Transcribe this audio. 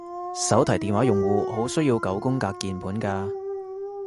手提電話用戶好需要九宮格鍵盤㗎